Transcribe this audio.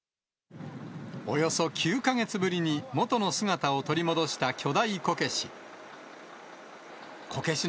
およそ９か月ぶりに、元の姿を取り戻した巨大こけし。